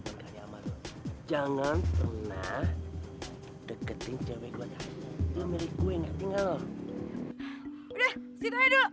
kacau bang sampai kebalik begini